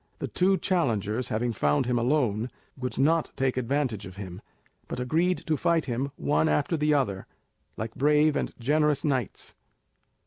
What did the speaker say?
The two challengers having found him alone would not take any advantage of him, but agreed to fight him one after the other, like brave and generous knights.